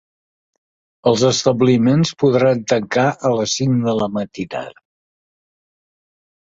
Els establiments podran tancar a les cinc de la matinada.